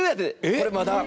これ、まだ。